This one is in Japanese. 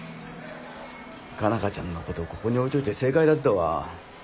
佳奈花ちゃんのことここに置いといて正解だったわ。